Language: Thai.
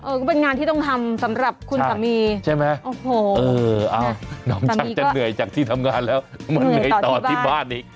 ก็เป็นงานที่ต้องทำสำหรับคุณสามีใช่ไหมโอ้โหเออเอาน้องช่างจะเหนื่อยจากที่ทำงานแล้วมาเหนื่อยต่อที่บ้านอีก